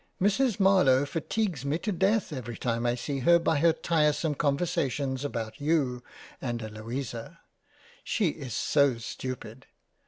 Mrs Marlowe fatigues me to Death every time I see her by her tiresome Conversations about you and Eloisa. She is so stupid